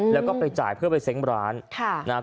แล้วก็มีใช้เครื่องผ่านเสร็จร้าน